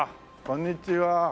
こんにちは。